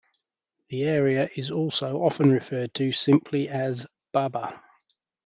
The area is also often referred to simply as "Baba".